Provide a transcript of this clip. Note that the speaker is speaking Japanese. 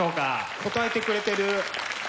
応えてくれてる。